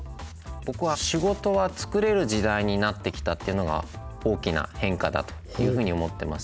ぼくは仕事は作れる時代になってきたっていうのが大きな変化だというふうに思ってます。